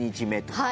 はい。